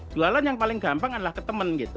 jualan yang paling gampang adalah ke temen gitu